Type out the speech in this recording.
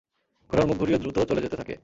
ঘোড়ার মুখ ঘুরিয়ে দ্রুত চলে যেতে থাকে।